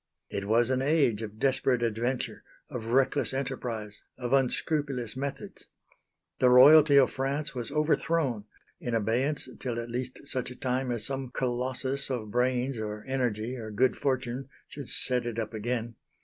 It was an age of desperate adventure, of reckless enterprise, of unscrupulous methods. The Royalty of France was overthrown in abeyance till at least such a time as some Colossus of brains or energy, or good fortune, should set it up again.